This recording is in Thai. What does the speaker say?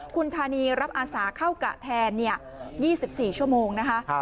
คุณธานีรับอาสาเข้ากะแทน๒๔ชั่วโมงนะคะ